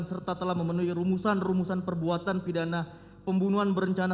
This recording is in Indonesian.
serta telah memenuhi rumusan rumusan perbuatan pidana pembunuhan berencana